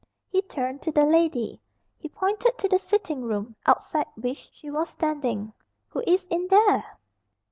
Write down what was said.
He turned to the lady. He pointed to the sitting room, outside which she was standing. "Who is in there?"